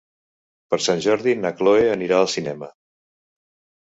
Per Sant Jordi na Chloé anirà al cinema.